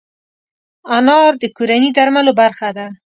انار د کورني درملو برخه ده.